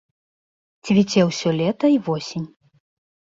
Цвіце ўсё лета і восень.